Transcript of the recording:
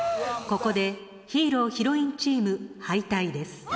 ここでヒーローヒロインチーム敗退です。